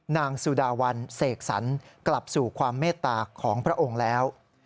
นางสุดาวันเสกสรรกลับสู่ความเมตตาของพระองค์แล้ว